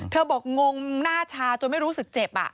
บอกงงหน้าชาจนไม่รู้สึกเจ็บ